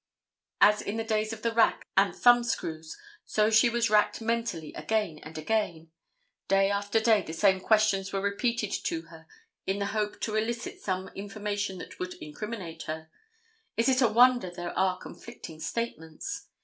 As in the days of the rack and thumb screws, so she was racked mentally again and again. Day after day the same questions were repeated to her in the hope to elicit some information that would criminate her. Is it a wonder there are conflicting statements?